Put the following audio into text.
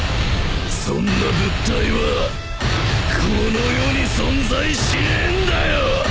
そんな物体はこの世に存在しねえんだよ！